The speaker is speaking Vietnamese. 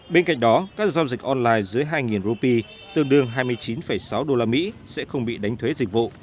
bên cạnh đó các giao dịch online dưới hai rupee tương đương hai mươi chín sáu usd sẽ không bị đánh thuế dịch vụ